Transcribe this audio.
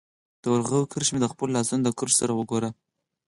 د ورغوي کرښي مي د خپلو لاسونو د کرښو سره وګوره